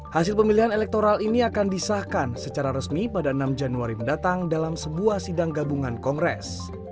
hasil pemilihan elektoral ini akan disahkan secara resmi pada enam januari mendatang dalam sebuah sidang gabungan kongres